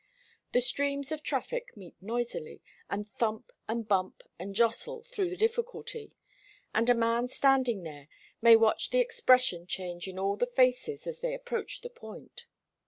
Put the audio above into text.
The streams of traffic meet noisily, and thump and bump and jostle through the difficulty, and a man standing there may watch the expression change in all the faces as they approach the point.